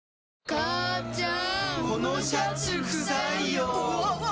母ちゃん！